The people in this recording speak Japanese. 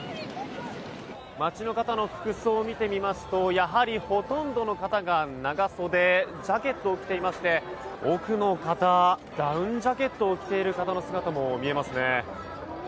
街の方の服装を見てみますとやはりほとんどの方が長袖ジャケットを着ていまして奥の方、ダウンジャケットを着ている方の姿も見えますね。